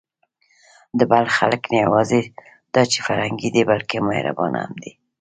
د بلخ خلک نه یواځې دا چې فرهنګي دي، بلکې مهربانه هم دي.